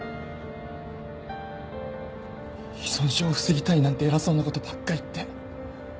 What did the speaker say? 依存症を防ぎたいなんて偉そうなことばっか言って。